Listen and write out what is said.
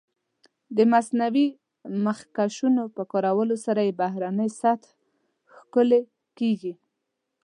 د مصنوعي مخکشونو په کارولو سره یې بهرنۍ سطح ښکلې کېږي.